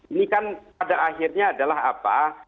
ini kan pada akhirnya adalah apa